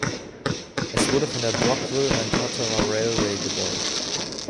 Es wurde von der Brockville and Ottawa Railway gebaut.